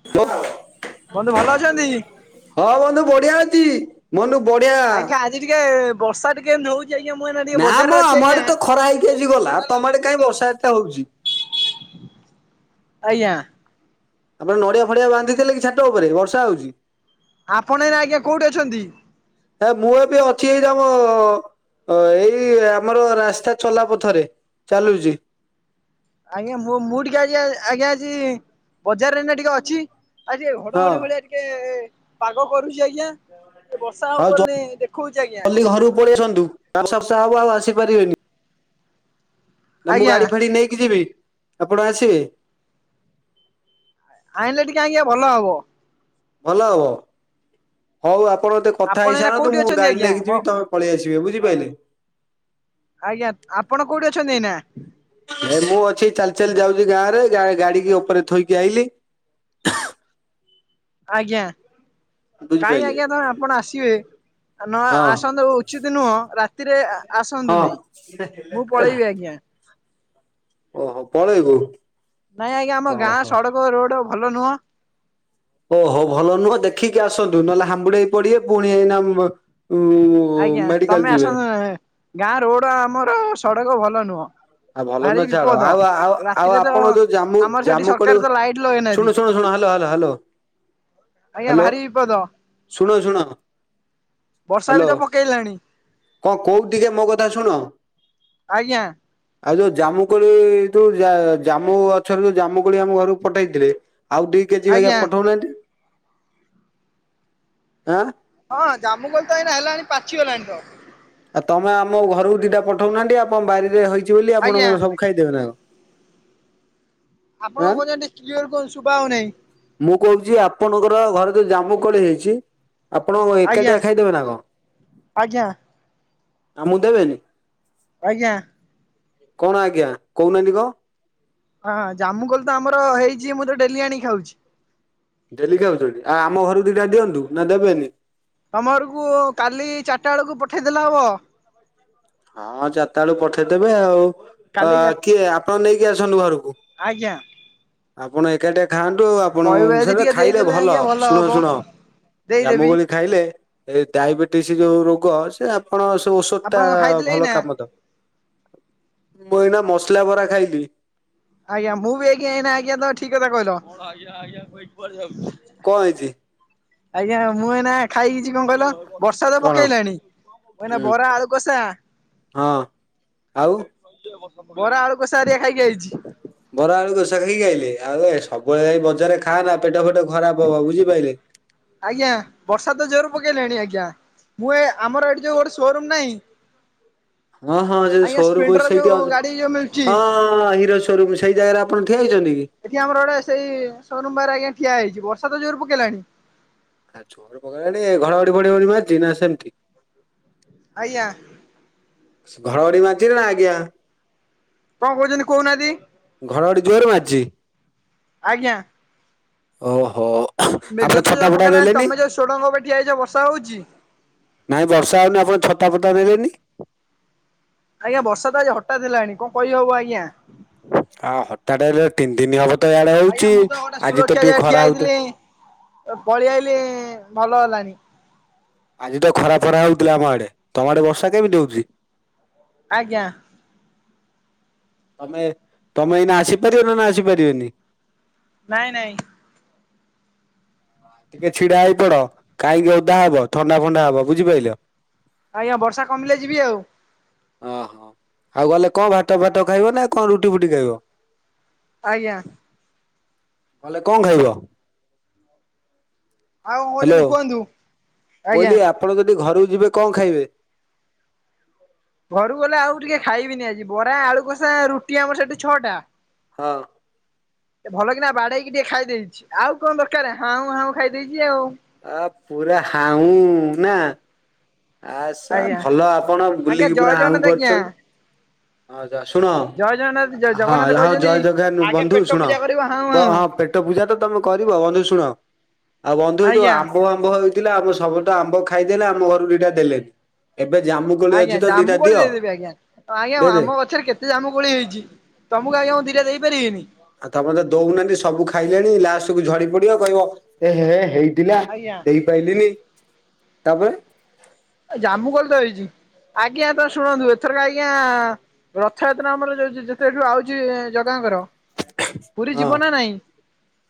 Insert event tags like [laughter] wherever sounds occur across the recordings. କେଇଥର ବନ୍ଧୁ ଭଲ ଅଛନ୍ତି? ହଁ ବନ୍ଧୁ ବଢିଆ ଅଛି ବନ୍ଧୁ ବଢିଆ। ଆଜ୍ଞା ଆଜି ଟିକେ ବର୍ଷା ଟିକେ ଏମିତି ହଉ ଆଜ୍ଞା ମୁ ଟେ ନା ମ ବଜାରରେ ଅଛି ଆମ ଆଡେ ତ ଖରା ଆଜ୍ଞାଛି ହେଇକି ଭଲ ଆଜି ଗଲା ତମ ଲାଗୁଛି। ଆଡେ କାଇଁ ବର୍ଷା ଏତେ ହଉଛି। ଆଜ୍ଞା ଆପଣ ନଡିଆ ଫଡିଆ ବାନ୍ଧିଥିଲେ କି ଛାଟ ଉପରେ ବର୍ଷା ହଉଛି। ଆପଣ ଏଇନା ଆଜ୍ଞା କୋଉଠି ଅଛନ୍ତି? ହେ ମୁଁ ଏବେ ଅଛି ଏଇ ଯମ ଅ ଏଇ ଆମର ରାସ୍ତା ଚଲା ପଥରେ ଚାଲୁଛି। ଆଜ୍ଞା ମୁ ମୁଁ ଟିକେ ଆଜି ଆଜ୍ଞା ଆଜି ବଜାରରେ ଟିକେ ଅଛି ଆ ଟିକ ହଁ। ଘଡଘଡି ଭଳିଆ ଟିକେ ପାଗ କରୁଛି ଆଜ୍ଞା। ଏ ବର୍ଷା ହବ ଆଉ ବୋଲି ଦେଖଉଛି ଆଜ୍ଞା ଜଲଦି ଘରକୁ ପଳେଇ ଆସନ୍ତୁ ସଫ୍ସା ହବ ଆଉ ଆସିପାରିବେନି ନା ମୁଁ ଆଜ୍ଞା ଗାଡି ଫାଡି ନେଇକି ଯିବି ଆପଣ ଆସିବେ ଆଇଁଲେ ଟିକେ ଆଜ୍ଞା ଭଲ ହବ। ଭଲ ହବ ହଉ ଆପଣ ମତେ କଥା ଆପଣ ଏଇନା ହେଇସାରନ୍ତୁ କୋଉଠି ମୁଁ ଅଛନ୍ତି ଗାଡି ଆଜ୍ଞା ନେଇକି ବ ଯିବି ତମେ ପଳେଇ ଆସିବେ ବୁଝିପାରିଲେ ଆଜ୍ଞା ଆପଣ କୋଉଠି ଅଛନ୍ତି ଏଇନା? ଏ ମୁଁ ଅଛି ଚାଲି ଚାଲି ଯାଉଛି ଗାଁରେ ଗାଡିିକି ଉପରେ ଥୋଇକି ଆଇଲିି। ଆଜ୍ଞା କାହିଁ ବୁଝିପାରିଲେ ଆଜ୍ଞା ତହେ ଆପଣ ଆସିବେ ନ ହଁ ଆସନ୍ତୁ କିଛି ତ ନୁହଁ ରାତିରେ ହଁ ଆସନ୍ତୁ ନାଇଁ ମୁଁ ପଳେଇବି ଆଜ୍ଞା। ଓହୋ ପଳେଇବୁ ନାଇଁ ଆଜ୍ଞା ଆମ ଗାଁ ଓହୋ ସଡ଼କ ରୋଡ ଭଲ ନୁହଁ। ଓହୋ ଭଲ ନୁହଁ ଦେଖିକି ଆସନ୍ତୁ ନହେଲେ ହାମ୍ବୁଡି ହେଇ ପଡିବେ ପୁଣି ଏଇନା ଉ ଆଜ୍ଞା ମେଡିକାଲ ତମେ ଯିବେ ଆସ ଗାଁ ରୋଡ ଆମର ସଡକ ଭଲ ନୁହଁ। ଆଉ ଭଲ ଭାରି ନ ଛାଳ ବିପଦ ଆଉ ଆଉ ଆଉ ରାତିରେ ତ ଆପଣ ଯୋଉ ଜମୁ ଆମର ସେଠି ଜମୁ ସରକାର କଳି ତ ଲାଇଟ୍ ଲଗେଇନାହାନ୍ତି ଶୁଣୁ ଶୁଣ ଶୁଣ ହଲୋ ହଲୋ ହଲୋ ଆଜ୍ଞା ଭାରି ବିପଦ ଶୁଣ ଶୁଣ ବର୍ଷା ବି ହ୍ୟାଲୋ ତ ପକାଇଲାଣି। କଣ କୋଉ ଟିକେ ମୋ କଥା ଶୁଣ। ଆଜ୍ଞା ଆଉ ଯୋଉ ଜାମୁ କୋଳି ଯୋଉ ଜାମୁ ଗଛରେ ଯୋଉ ଜାମୁ କୋଳି ଆମ ଘରକୁ ପଠେଇଥିଲେ ଆଉ ଦି କେଜି ବାଗିଆ ଆଜ୍ଞା ପଠଉନାହାନ୍ତି ଆଁ ହଁ ଜାମୁ ଗଲ ତ ଏଇନା ହେଲାଣି ପାଚି ଗଲାଣି ତ। ଆଉ ତମେ ଆମ ଘରକୁ ଦିଟା ପଠଉନାହାନ୍ତି ଆପଣ ବାରିରେ ହେଇଛି ବୋଲି ଆପଣ ଆଜ୍ଞା କଣ ସବୁ ଖାଇଦେବେ ନା କଣ ଆପଣଙ୍କ ଆଁ କହୁଛନ୍ତି କିଆର କୁହନ୍ତୁ ଶୁଭା ହଉନାହିଁ ମୁଁ କହୁଛି ଆପଣଙ୍କର ଘରେ ତୋ ଜାମୁ କଳି ହେଇଛି। ଆପଣ କଣ ଆଜ୍ଞା ଏକାଟିଆ ଖାଇଦେବେ ନା ଆଜ୍ଞା କଣ ଆମକୁ ଦେବେନି। ଆଜ୍ଞା କଣ ଆଜ୍ଞା କହୁନାହାନ୍ତି କଣ ହଁ ଜାମୁ କଲ ତ ଆମର ହେଇଛି ମୁଁ ତ ଡେଲି ଆଣଣିି ଖାଉଛି ଡେଲି ଖାଉଛନ୍ତି ଆଉ ଆମ ଘରକୁ ଦିଟା ଦିଅନ୍ତୁ ନା ଦେବେନି ତମରକୁ କାଲି ଚାରିଟା ବେଳକୁ ପଠେଇଦେଲା ହବ। ହଁ ଚାରିତା ବେଳୁ ପଠେଇଦେବେ ଆଉ। ଅ କାଲି ଚା କିଏ ଆପଣ ନେଇକି ଅସନ୍ତୁ ଘରକୁ ଆଜ୍ଞା ଆପଣ ଏକାଠି ଖାଆନ୍ତୁ ଆ ଆପଣ କହିବେ ଧ ଯଦି ଟିକେ ଖାଇଲେ ଦେଇଦେଲେ ଭଲ ଆଜ୍ଞା ଶୁଣ ହବ ଶୁଣ ଜମୁ ଦେଇଦେବି କୋଳି ଖାଇଲେ ଏ ଡାଇବେଟିସ୍ ଯୋଉ ରୋଗ ସେ ଆପଣ ସେ ଔଷଧ ଆପଣ ଟା କଣ ଖାଇଥିଲେ ଭଲ ଏଇନା କାମ ମୁଁ ଏଇନା ମସଲା ବରା ଖାଇଲି। ଆଜ୍ଞା ମୁଁ ବି ଆଇ କି ଆଜ୍ଞା ତ ଠିକ କଥା କହିଲ ଆଜ୍ଞା ଆଜ୍ଞା କହି କୁଆଡେଯାଉଛୁ। କଣ ହେଇଛି। ଆଜ୍ଞା ମୁଁ ଏ ନା ଖାଇକିଛି କଣ କହିଲ? ବର୍ଷା ତ କଣ ପକେଇଲାଣି ମୁଁ ଏଇନା ହୁଁ ବରା ଆଳୁ କଷା ହଁ ଆଉ ବରା ଆଳୁ କଷାାହେରିକା ଖାଇକି ଆଇଛି। ବରା ଆଳୁ କଷା ଖାଇକି ଆଇଲେ ଆଉ ଏ ସବୁବେଳେ ବଜାରରେ ଖାଆ ନା ପେଟ ଫେଟ ଖରାପ ହବ ବୁଝିପାରଲେ ଆଜ୍ଞା ବର୍ଷା ତ ଜୋର ପକେଇଲେଣି ଆଜ୍ଞା ମୁଁ ଏ ଆମର ଏଠି ଯୋଉ ଶୋରୁମ ନାହିଁ। ହଁ ହଁ ସେ ଆଜ୍ଞା ସୋରୁମ ସ୍ପ୍ଲେଣ୍ଡର ସେଇଠି ଯୋଉ ଅଛି ଗାଡି ଯୋଉ ମିଳୁଛି ହଁ ହଁ ହିରୋ ସୋରୁମ୍ ସେଇ ଜାଗାରେ ଆପଣ ଠିଆ ହେଇଛନ୍ତି କି? ଏଠି ଆମର ଗୋଟେ ସେଇ ସୋରୁମବାର ଆଜ୍ଞା ଠିଆ ହେଇଛି ବର୍ଷା ତ ଜୋର ପକେଇଲାଣି। ଆ ଛୋରେ ପକେଇଲାଣି ଏ ଘଡ ଘଡିମାରିଛି ନା ସେମିତି ଆଜ୍ଞା ଘଡ଼ଘଡି ମାରିଚି ନା ଆଜ୍ଞା। କଣ କହୁଛନ୍ତି କହୁନାହାନ୍ତି ଘଡ଼ ଘଡି ଯୋର ମାରିଛି। ଆଜ୍ଞା ଓ ହୋ ମେଘ ତ ଜୋର ପକେଇଲାଣି ତମ ଯୋଉ ଷୋଡଙ୍ଗ ଉପରେ ଠିଆହେଇଚ ବର୍ଷା ହଉଛି। ନାଇଁ ବର୍ଷା ହେଉନି ଆପଣ ଛତାପଟା ଦେଲେନି? ଆଜ୍ଞା ବର୍ଷା ତ ଆଜି ହଠା ହେଲାଣି କଣ କରି ହବ ଆଜ୍ଞା। ଆ ହଠାତ୍ ତିନି ଦିନ ହବ ତ ଏଇଆଡେ ଆଜ୍ଞା ହଉଛି ମୁଁ ତ ଗୋଟେ ଆଜି ତ ଟିକେ ଖରା ହଉଛି। ପଳେଇଆଲି ଭଲ ହେଲଣିି। ଆଜି ତ ଖରା ଫରା ହଉଥିଲା ଆମ ଆଡେ ତମ ଆଡେ ବର୍ଷା କେମିତି ହଉଛି। ଆଜ୍ଞା ତମେ ତମେ ଏଇନା ଆସିପାରିବ ନା ଆସିପାରିବନି। ନାଇଁ ନାଇଁ ଟିକେ ଛିଡା ହେଇ ପଡ କାହିଁକି ଓଧା ହବ ଥଣ୍ଡା ଫଣ୍ଡା ହବ ବୁଝିପାରିଲ। ଆଜ୍ଞା ବର୍ଷା କମିଲେ ଯିବି ଆଉ ହଁ ହଁ ଆଉ ଗଲେ କଣ ଭାତ ଫାତ ଖାଇବ ନା କଣ ରୁଟି ଫୁଟି ଖାଇବ? ଆଜ୍ଞା ଗଲେ କଣ ଖାଇବ? ଆଉ କଣ କହୁଛନ୍ତି ହ୍ୟାଲୋ କୁହନ୍ତୁ ଆଜ୍ଞା। କହିଲି ଆପଣ ଯଦି ଘରକୁ ଯିବେ କଣ ଖାଇବେ? ଘରୁ ଗଲେ ଆଉ ଟିକେ ଖାଇବିନି ଆଜି ବରା ଆଳୁ କଷା ରୁଟି ଆମର ସେଠି ଛଅଟା ହଁ ଭଲ କି ନା ବାଡେଇକି ଟିକେ ଖାଇ ଦେଇଛି ଆଉ କଣ ଦରକାର ହାଉଁ ହାଉଁ ଖାଇଦେଇଛି ଆଉ ଆ ପୁରା ହାଉଁ ନା ଆସ ଆଜ୍ଞା ଭଲ ଆପଣ ଆଜ୍ଞା ବୁଲିକି ଜୟ ପୁରା ହାଉଁ ଜଗନ୍ନାଥ ଆଜ୍ଞା। କରୁଛନ୍ତି। ଆଁଛା ଶୁଣ ଜୟ ଜଗନ୍ନାଥ ହଁ ଜଗନ୍ନାଥ ହଁ କହିଛନ୍ତି ଜୟ ଜଗନ୍ ଆଗେ ବନ୍ଧୁ ପେଟ ଶୁଣ ପୂଜା ହଁ କରିବ ହାଉଁ ହାଉଁ। ପେଟ ପେଟ ପୂଜା ତ ତମେ କରିବ ବନ୍ଧୁ ଶୁଣ ଆଉ ବନ୍ଧୁ ଏଇ ଯୋଉ ଆଜ୍ଞା ଆମ୍ବ ଆମ୍ବ ଥିଲା ଆମ ସବୁ ଆମ୍ବ ଖାଇଦେଲେ ଆମ ଘରୁ ଦୁଇଟା ଦେଲେନି। ଏବେ ଜାମୁ ଆଜ୍ଞା ଜାମୁ କୋଲି ଦେଇଦେବି ଆଜ୍ଞା ତ ଆଜ୍ଞା ଦେଇଦେ ଆମ ଗଛରେ କେତେ ସେ ଆାମ ଜାମୁକୋଳି ହୋଇଛି ତମକୁ ଆଜ୍ଞା ମୁଁ ଦିଟା ଦେଇପାରିବିନି। ଆଉ ତମେ ତ ଦଉନାହାନ୍ତି ସବୁ ଖାଇଲେଣି ଲାଷ୍ଟ କୁ ଝଡି ପଡିବ କହିବ ଏ ହେ ହେଇ ଥିଲା ଆଜ୍ଞା ଦେଇପାରଲିିନି। ତାପରେ? ଆ ଜାମୁ କୋଳି ତ ହେଇଛି। ଆଜ୍ଞା ତ ଶୁଣନ୍ତୁ ଏଥରକ ଆଜ୍ଞା ରଥଯାତ୍ରା ଆମର ଯୋଉ ଯେତେଠୁ ଆଉଛି ଜଗାଙ୍କର ପୁରୀ ହଁ ଯିବ ନା ନାଇଁ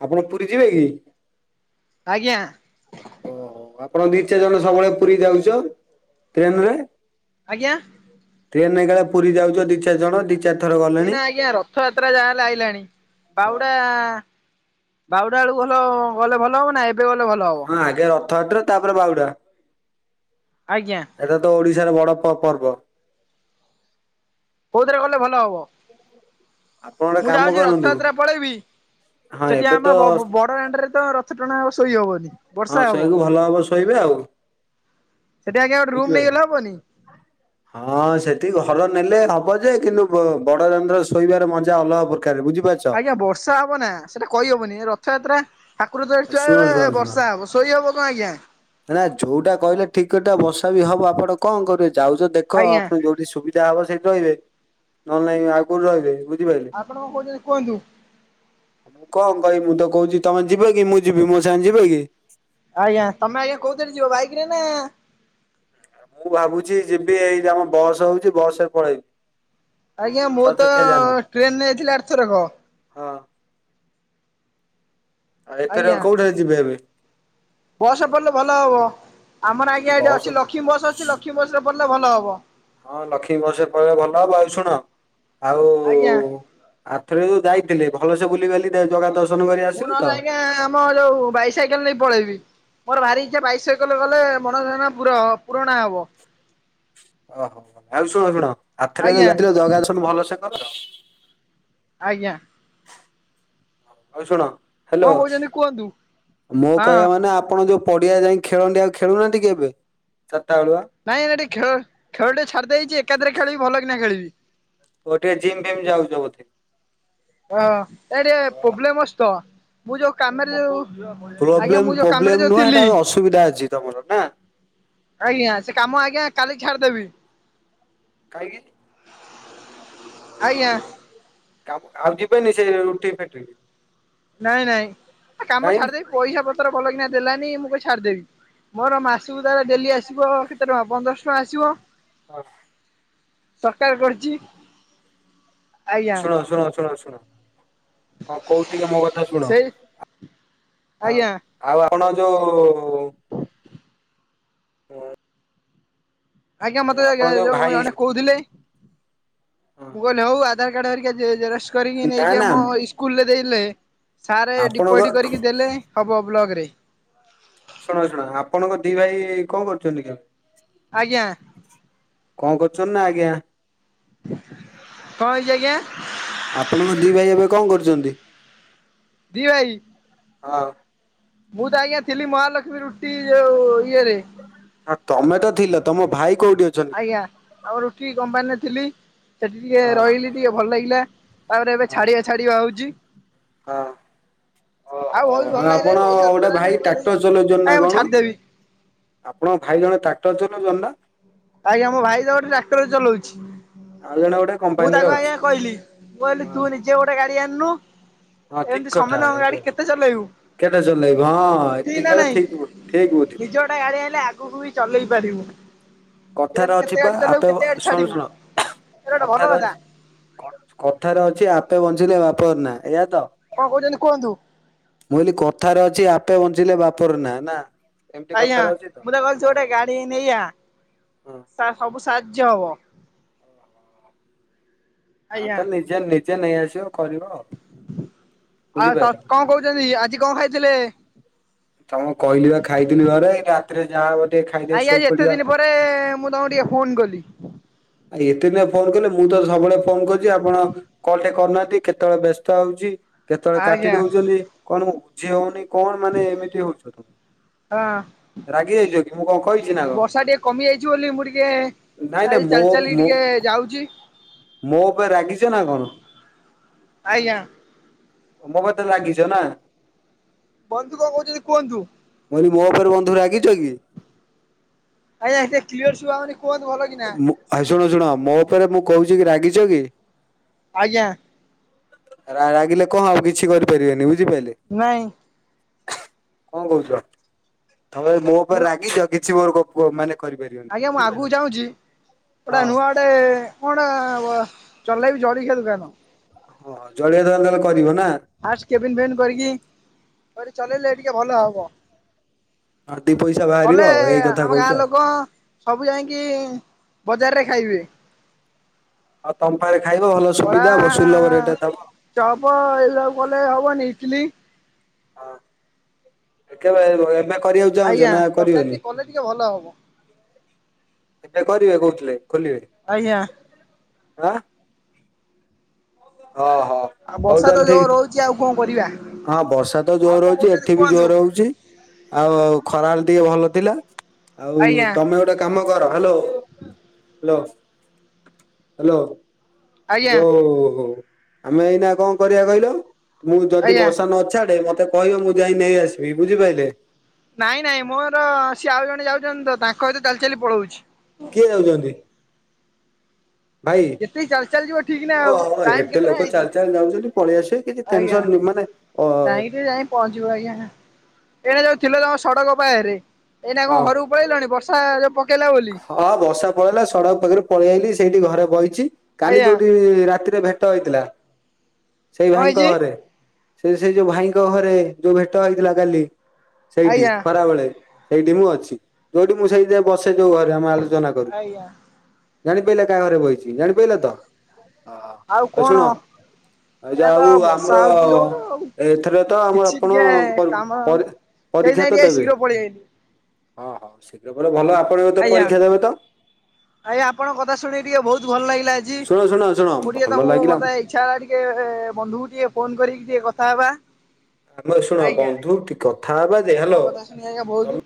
ଆପଣ ପୁରୀ ଯିବେ କି? ଆଜ୍ଞା? ଓହୋ ଆପଣ ଦି ଚାରି ଜଣ ସବୁବେଳେ ପୁରୀ ଯାଉଛ ଟ୍ରେନ ରେ? ଆଜ୍ଞା। ଟ୍ରେନ ଏଇକା ପୁରୀ ଯାଉଛ ଦି ଚାରି ଜଣ ଦି ଚା ଏଇନା ଆଜ୍ଞା ରଥଯାତ୍ରା ଯାହା ହେଲେ ଆଇଲାଣି ହଁ। ବାହୁଡା ବାହୁଡ଼ା ବେଳକୁ ଭଲ ଗଲେ ଭଲ ହବ ନା ଏବେ ଗଲେ ଭଲ ହବ? ହଁ ଆଗେ ରଥଯାତ୍ର ତାପରେ ବାହୁଡା। ଆଜ୍ଞା। ଏଟା ତ ଓଡିଶାର ବଡ ପ ପର୍ବ। କୋଉଥିରେ ଗଲେ ଭଲ ହବ? ଆପଣ ଗୋଟେ ମୁଁ କାମ ଚାହୁଁଛି କରନ୍ତୁ ରଥଯାତ୍ରା ପଳେଇବି ହଁ ସେଠି ଏବେ ତ ଆମେ ବ ବ ବ ବଡ଼ଦାଣ୍ଡରେ ତ ରଥ ଟଣା ହବ ଶୋଇହବନି। ହଁ ବର୍ଷା ସେଇଆକୁ ଭଲ ଭାବ ଶୋଇବେ ଆଉ। ସେଠି ଆଜ୍ଞା ଗୋଟେ ରୁମ୍ ବୁଝିପାରିଲେ। ନେଇଗଲେ ହବନି? ହଁ ସେଠି ଘର ନେଲେ ହବ ଯେ କିନ୍ତୁ ବ ବଡ ଦାଣ୍ଡ ରେ ଶୋଇବାର ମଜା ଅଲଗା ପ୍ରକାର ବୁଝିପାରୁଛ। ଆଜ୍ଞା ବର୍ଷା ହବ ନା ସେଇଟା କହିହବନି ଏ ରଥଯାତ୍ରା। ଠାକୁର ତ ଏଇଠି ଶୁଣ ଶୁଣ ଥୁଆହେବେ ଶୁଣ ବର୍ଷା ହେବ ଶୋଇ ହେବ କଣ ଆଜ୍ଞା। ନା ଯୋଉଟା କହିଲେ ଠିକ୍ କଥା ବର୍ଷା ବି ହବ ଆପଣ କଣ କରିବେ ଯାଉଛ ଦେଖ ଆଜ୍ଞା ଆପଣ ଯୋଉ ଠୀ ସୁବିଧା ହବ ସେଇଠି ରହିବେ। ନହେଲେ ନାହିଁ ଆଉ କୋଉଠି ରହିବେ। ବୁ ଆପଣ କଣ କହୁଛନ୍ତି କୁହନ୍ତୁ? କଣ କହିବି ମୁଁ ତ କହୁଛି ତମେ ଯିବ କି ମୁଁ ଯିବି ମୋ ସାଙ୍ଗେ ଯିବ କି? ଆଜ୍ଞା ତମେ ଆଜ୍ଞା କୋଉଥିରେ ଯିବ ବାଇକ ରେ ନା। ମୁଁ ଭାବୁଛି ଯିବି ଏଇ ଆମ ବସ୍ ହଉଛି ବସ ରେ ପଳେଇବି। ଆଜ୍ଞା ମୁଁ ଛଅ ତ ଚକିଆ ଯାନ। ଟ୍ରେନରେ ଯାଇଥିଲି ଆର ଥରକ। ହଁ। ଆଉ ଏଥର ଆଜ୍ଞା କୋଉଥିରେ ଯିବେ ଏବେ? ବସ ରେ ପଳେଇଲେ ଭଲ ହବ। ଆମର ଆଜ୍ଞା ଏଠି ବସ୍ ଅଛି ଲକ୍ଷ୍ମୀ ବସ୍ ଅଛି ଲକ୍ଷ୍ମୀ ବସ ରେ ପଳେଇଲେ ଭଲ ହବ। ହଁ ଲକ୍ଷ୍ମୀ ବସରେ ପଳେଇବ ଭଲ ହବ ଆଉ ଶୁଣ ଆଉ ଆଜ୍ଞା। ଆରଥରେ ଯୋଉ ଯାଇଥିଲେ ଭଲସେ ବୁଲି ବାଲି ମୁଁ ନହେଲେ ଆଜ୍ଞା ଆମ ଯୋଉ ବାଇସାଇକେଲ ନେଇ ପଳେଇବି। ମୋର ଭାରି ଇଚ୍ଛା ବାଇସାଇକଲରେ ଗଲେ ମନସ୍କାମନା ପୁର ପୁରଣ ହବ। ଓହୋ ଆଉ ଶୁଣ ଶୁଣ ଆରଥର ଯଉ ଆଜ୍ଞା ଯାଇଥିଲ ଜଗା ଦର୍ଶନ‌ ଭଲ ସେ କଲ? ଆଜ୍ଞା। ହଉ ଶୁଣ ହ୍ୟାଲୋ କଣ କହୁଛନ୍ତି କୁହନ୍ତୁ? ମୁଁ ହଁ କହିବା ମାନେ ଆପଣ ଯୋଉ ପଡିଆ ଯାଇ ଖେଳନ୍ତି ଆଉ ଖେଳୁନାହାନ୍ତି କି ଏବେ ଚାରିଟା ବେଳୁଆ? ନାଇଁ ଏଇନା ଟିକେ ଖେଳ ଖେଳ ଟିକେ ଛାଡିଦେଇଛି ଏକାଥରେ ଖେଳିବି ଭଲ କି ନା ଖେଳିବି। ଓ ଟିକେ ଜିମ୍ ଫିମ୍ ଯାଉଛ ବୋଧେ? ହଁ ଏ ଟିକେ ହଁ। ପ୍ରୋବ୍ଲେମ ଅଛି ତ ମୁଁ ଯୋଉ କାମରେ ଯୋଉ ଆଜ୍ଞା ପ୍ରୋବ୍ଲେମ ମୁଁ ଯୋଉ ପ୍ରୋବ୍ଲେମ କାମରେ ନୁହଁ ହେଟା ଯୋଉଥିଲି। ଅସୁବିଧା ଅଛି ତମର ନା ଆଜ୍ଞା ସେ କାମ ଆଜ୍ଞା କାଲି ଛାଡିଦେବି। କାହିଁକି? ଆଜ୍ଞା। କାମ ଆଉ ଯିବେନି ସେ ରୁଟି ଫ୍ୟାକ୍ଟ୍ରି କି? ନାଇଁ ନାଇଁ କାମ ଛାଡିଦେବି ପଇସା ପତ୍ର ଭଲ କିନା ଦେଲାନି ମୁଁ କାମ ଛାଡିଦେବି। ମୋର ମାସକୁ ଧର ଡେଲି ଆସିବ କେତେ ଟଙ୍କା ପନ୍ଦର ଶହ ଟଙ୍କା ଆସିବ ହଁ। ସକାର କରୁଛି। ଶୁଣ ଶୁଣ ଶୁଣ ଶୁଣ। କଣ କୋଉ ଟିକେ ମୋ କଥା ଶୁଣ ସେଇ ଆଉ ଆଜ୍ଞା ଆଉ ଆପଣ ଯୋଉ ହୁଁ। ଆଜ୍ଞା ମତେ ଆଜ୍ଞା ଯୋଉ ଜଣେ କହୁଥିଲି। ମୁଁ କହିଲି ହଉ ଆଧାର କାର୍ଡ ହେରିକ ଜେରକ୍ସ୍ କରିକି ନା ନେଇକି ନା ଆମ ଇସ୍କୁଲରେ ଦେଇଲେ ସାର୍ ଆପଣଙ୍କ ଡିପୋଜିଟ୍ କରିକି ଦେଲେ ହବ ବ୍ଲକ ରେ। ଶୁଣ ଶୁଣ ଆପଣଙ୍କ ଦି ଭାଇ କଣ କରୁଛନ୍ତି କି ଏବେ? ଆଜ୍ଞା। କଣ କରୁଛନ୍ତି ନା ଆଜ୍ଞା। କଣ ହେଇଛି ଆଜ୍ଞା? ଆପଣଙ୍କ ଦି ଭାଇ ଏବେ କଣ କରୁଛନ୍ତି? ଦି ଭାଇ। ହଁ। ମୁଁ ତ ଆଜ୍ଞା ଥିଲି ମହାଲକ୍ଷ୍ମୀ ରୁଟି ଯୋଉ ଇଏରେ ହଁ ତମେ ତ ଥିଲ ତମ ଭାଇ କୋଉଠି ଅଛନ୍ତି? କୁହ? ଆଜ୍ଞା ଆଉ ରୁଟି କମ୍ପାନୀରେ ଥିଲି। ସେଠି ଟିକେ ହଁ ରହିଲି ଟିକେ ଭଲ ଲାଗିଲା ତାପରେ ଏବେ ହଁ ଛାଡିବା ଛାଡିବା ହଉଛି। ହଁ ଆଉ ଓହୋ ବହୁତ ହଁ ଭଲ ଲାଗିଲେ ଆପଣ ପଇସା ଗୋଟେ ଭାଇ ଦେଲେନି ମୁଁ ଟ୍ରାକ୍ଟର କହିଲି ଚଲଉଛନ୍ତି ନା ହେ ମୁଁ କଣ? ଛାଡିଦେବି। ଆପଣଙ୍କ ଭାଇ ଜଣେ ଟ୍ରାକ୍ଟର ଚଲଉଛନ୍ତି ନା ଆଜ୍ଞା ମୋ ଭାଇ ତ ଗୋଟେ ଟ୍ରାକ୍ଟର ଚଲଉଛି। ଆଉ ଜଣେ ଗୋଟେ ମୁଁ କମ୍ପାନୀରେ ତାକୁ ଅଛି। ଆଜ୍ଞା କହିଲି ମୁଁ କହିଲି ହଁ ତୁ ନିଜେ ଗୋଟେ ଗାଡି ଆଣନୁ। ହଁ ଠିକ ଏମିତି କଥା ସମସ୍ତଙ୍କ ଏବେ ଗାଡି କେତେ ଚଲେଇବୁ। କେତେ ଚଲେଇବୁ ହଁ ଠିକ ଏତିକି ନା ବେଳେ ନାଇଁ ଠିକ ଵୁ ବୁଢ଼ି ଠିକ ବୁଦ୍ଧି ନିଜେ ଗୋଟେ ଗାଡି ଆଣିଲେ ଆଗକୁ ବି ଚଲେଇ ପାରିବୁ ଏମିତି କଥାର ଅଛି କେତେ ପା ଗାଡି ଚଲେଇବୁ ଆପେ କେତେ ଗାଡି ଶୁଣ ଛାଡିବୁ ଶୁଣ ଏଇଟା ଗୋଟେ ଭଲ କଥାର କଥା ଅଛି। କଥାରେ ଅଛି ଆପେ ବଞ୍ଚିଲେ ବାପର ନା ଏଇୟା ତ କଣ କହୁଛନ୍ତି କୁହନ୍ତୁ। ମୁଁ କହିଲି କଥାରେ ଅଛି ଆପେ ବଞ୍ଚିଲେ ବାପର ନା ନା ଏମିତି ଆଜ୍ଞା କଥାରେ ଅଛି ମୁଁ ତ କହୁଛି ହଉ ଗୋଟେ ଗାଡି ନେଇଆ ହଁ ତାର ସବୁ ସାହାଯ୍ୟ ହବ। [inaudible] ହଁ ତା ନିଜେ ନିଜେ ନେଇ ଆସିବ କରିବ ଆଉ ଆଉ ତ ବୁଝିପାରିଲ। କଣ କହୁଛନ୍ତି ଆଜି କଣ ଖାଇଥିଲେ। ତମକୁ କହିଲି ବା ଖାଇଥିଲି ଘରେ ରାତିରେ ଯାହା ହବ ଟିକେ ଖାଇଦେଇ ଆଜ୍ଞା ଆଜି ଏତେ ଶୋଇପଡିବା। ଦିନ ପରେ ମୁଁ ତମକୁ ଟିକେ ଫୋନ କଲି। ଆ ଏତେ ଦିନ ଫୋନ କଲେ ମୁଁ ତ ସବୁବେଳେ ଫୋନ କରୁଛି ଆପଣ କଲଟେ କରୁନାହାନ୍ତି କେତେବେଳେ ବ୍ୟସ୍ତ ହଉଛି କେତେବେଳେ କାଟି ଆଜ୍ଞା ଦଉଛନ୍ତି କଣ ମୁଁ ବୁଝି ହଉନି କଣ ମାନେ ଏମିତି ହଉଛ ହଁ ରାଗି ଯାଇଛ କି ମୁଁ କଣ କହିଛି ନା କଣ ବର୍ଷା ଟିକେ କମି ଯାଇଛି ବୋଲି ମୁଁ ଟିକେ ନାଇଁ ନାଇଁ ଆଜି ମୋ ଚାଲି ଚାଲି ମୋ ଟିକେ ଯାଉଛି ମୋ ଉପରେ ରାଗିଛ ନା କଣ ଆଜ୍ଞା ମୋ କତିରେ ରାଗଚ ନା? ବନ୍ଧୁ କଣ କହୁଚନ୍ତି କୁହନ୍ତୁ। ମୁଁ କହିଲି ମୋ ଉପରେ ବନ୍ଧୁ ରାଗିଚ କି? ଆଜ୍ଞା ଟିକେ କ୍ଲିୟର ଶୁଭା ଯାଉନି କୁହନ୍ତୁ ଭଲ କି। ହଁ ଶୁଣ ଶୁଣ ମୋ ଉପରେ ମୁଁ କହୁଚି କି ରାଗିଚ କି? ଆଜ୍ଞା। ରା ରାଗିଲେ କଣ ହବ କିଛି କରିପାରିବେନି ବୁଝିପାଇଲେ? ନାଇଁ। କଣ କରୁଚ? ତମେ ମୋ ମୁଁ ଉପରେ ରାଗିଚ କିଛି ମୋର କ କୋ ମାନେ କରିବେ। ଆଜ୍ଞା ମୁଁ ଆଗକୁ ଯାଉଚି ପୁରା ହଁ ନୂଆ ଏତେ କଣ ଚଲେଇବି ଜଳଖିଆ ଦୋକାନ। ଓହ ଜଳଖିଆ ଦୋକାନ ତାହେଲେ କରିବ ନା? ଫାଷ୍ଟ କେବିନ ଫେବିନ କରିକି କରି ଚଲେଇଲେ ଟିକେ ଭଲ ହବ। ହଁ ଦି ପଇସା ବାହାରିବ କଲେ ଆଉ ଏଇ କଥା ଆମ ଗାଁ କହୁଛ ଆଉ। ଲୋକ ସବୁ ଯାଇଁକି ବଜାରରେ ଖାଇବେ। ହଉ ତମ ପାଖରେ ଖାଇବ ଭଲ ବରା ସୁବିଧା ହବ ଭଲ ସୁଲଭ ରେଟରେ ଦବ। ଚପ ଏ ସବୁ କଲେ ହେବନି ଇଟଲି? ହଁ କେବେ ଏ ଏବେ କରିବାକୁ ଚାହୁଁଚ ଆଜ୍ଞା ନା ତରକାରୀ କରିବନି? ଟିକେ କଲେ ଟିକେ ଭଲ ହବ। ଏବେ କରିବେ କହୁଥିଲେ? ଖୋଲିବେ। ଆଜ୍ଞା। ଆଁ ଅ ହୋ। ଆଉ ବର୍ଷା ତ ଯୋର ହଉଚି ଆଉ କଣ କରିବା। ହଁ ବର୍ଷା ତ ଆଉ ଜୋର ରେ କଣ ହଉଚି। କହୁଛନ୍ତି ଏଠି ବି କୁହନ୍ତୁ ଜୋରରେ ହଉଚି। ଆଉ ଆଉ ଖରାବେଳେ ଟିକେ ଭଲ ଥିଲା। ଆଉ ଆଜ୍ଞା ତମେ ଗୋଟେ କାମ କର ହାଲୋ ହାଲୋ ହାଲୋ। ଆଜ୍ଞା ଯୋଉ ଆମେ ଏଇନା କଣ କରିବା କହିଲ ମୁଁ ଦି ଆଜ୍ଞା। ବର୍ଷା ନଛାଡେ ମତେ କହିବ ମୁଁ ଯାଇ ନେଇ ଆସିବି ବୁଝିପାଇଲେ। ନାଇଁ ନାଇଁ ମୋର ସିଏ ଆଉ ଜଣେ ଯାଉଚନ୍ତି ତ ତାଙ୍କ ସହିତ ଚାଲି ଚାଲି ପଳଉଚି। କିଏ ଯାଉଚନ୍ତି? ଭାଇ ଯେତିକି ଚାଲି ଚାଲି ଯିବ ଠିକ ନା ଓ ଆଉ ଟାଇମ ଏତେ କେତେଟା ଲୋକ ହେଇଛି? ଚାଲି ଚାଲି ଯାଉଚନ୍ତି ପଳେଇ ଆସିବ କିଛି ଟେନସନ ନାଇ ମାନେ ଅ ଟାଇମ ରେ ଯାଇକି ପହଞ୍ଚିବ ଆଜ୍ଞା। ଏଇଟା ଯୋଉ ଥିଲ ତମ ସଡ଼କ ବାହାରେ ଏଇଟା କଣ ହଁ ଘରୁକୁ ପଳେଇଲଣି ବର୍ଷା ଯଉ ପକେଇଲା ବୋଲି? ହଁ ବର୍ଷା ପଳେଇଲା। ସଡ଼କ ପାଖରେ ପଳେଇଆଇଲି। ସେଇଠି ଘରେ ବଇଚି କାଲି ଆଜ୍ଞା ଯୋଉଠି ରାତିରେ ଭେ ଟ ହେଇଥିଲା ସେଇ କଣ ଭାଇଙ୍କ ହେଇଛି? ଘରେ। ସେ ସେଇ ଯୋଉ ଭାଇଙ୍କ ଘରେ ଯୋଉ ଭେଟ ହେଇଥିଲା କାଲି ସେଇଠି ଆଜ୍ଞା ଖରା ବେଳେ। ସେଇଠି ମୁଁ ଅଛି। ଯୋଉଠି ମୁଁ ସେଇଠୀ ଯାଇ ବସେ ଯୋଉ ଘରେ ଆମେ ଆଲୋଚନା ଆଜ୍ଞା। ଜାଣିପାରିଲ କାହା ଘରେ ବଇଚି। ଜାଣି ପାରିଲେ ତ ଆଉ ଶୁଣ। ଆଉ ଏଇନା ଯା ତ ହୋଉ ବର୍ଷା ଆମର ହଉଛି ଜୋର ଆଉ। ଏଥିରେ ତ ଆମର ଆପଣପର, ପରି ପରୀକ୍ଷା ସେଇଜାକେ ତ ଟିକେ ଦେବେ ଶୀଘ୍ର ପଳେଇଆଇଲି। ହଁ ହଁ। ଶୀଘ୍ର ପରେ ଭଲ ଆପଣ ତ ଆଜ୍ଞା ପରୀକ୍ଷା ଦେବେ ତ? ଆଜ୍ଞା ଆପଣଙ୍କ କଥା ଶୁଣି ଟିକେ ବୋହୁତ ଭଲ ଲାଗିଲା ଆଜି। ଶୁଣ ଶୁଣ ଶୁଣ ମୁଁ ଟିକେ ଭଲ ତମକୁ ଲାଗିଲା ମତେ ଏଇ ଇଛା ହେଲା ଟିକେ, ବନ୍ଧୁକୁ ଟିକେ ଫୋନ କରିକି ଟିକେ କଥା ହେବା ଆମେ ଶୁଣ ଆଜ୍ଞା ବନ୍ଧୁ ଟିକେ କଥା ହେବା ଯେ, ହାଲୋ [unintelligible]